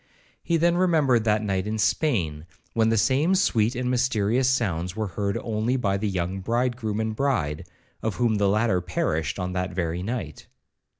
He then remembered that night in Spain, when the same sweet and mysterious sounds were heard only by the young bridegroom and bride, of whom the latter perished on that very night.